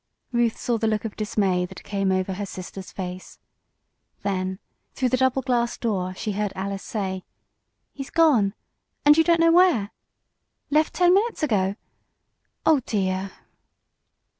Ruth saw the look of dismay that came over her sister's face. Then through the double glass door she heard Alice say: "He's gone! And you don't know where? Left ten minutes ago? Oh dear!"